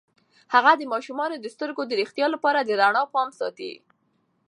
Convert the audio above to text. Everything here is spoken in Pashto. هغه د ماشومانو د سترګو د روغتیا لپاره د رڼا پام ساتي.